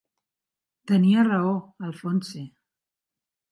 Tenia raó, Alphonse.